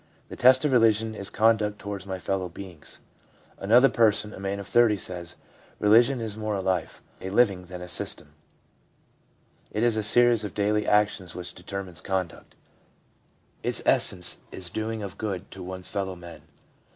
The test of religion is conduct towards my fellow beings/ Another person, a man of 30, says :' Religion is more a life, a living, than a system. It is a series of daily actions which determines conduct. Its essence is daily 322 THE PSYCHOLOGY OF RELIGION doing of good to one's fellow men.'